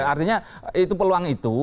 artinya itu peluang itu